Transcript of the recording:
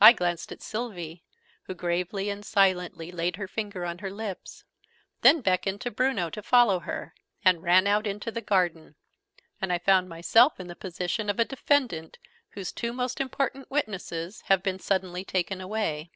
I glanced at Sylvie, who, gravely and silently, laid her finger on her lips, then beckoned to Bruno to follow her, and ran out into the garden; and I found myself in the position of a defendant whose two most important witnesses have been suddenly taken away.